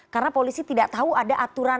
karena polisi tidak tahu ada aturan